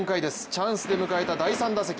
チャンスで迎えた第３打席。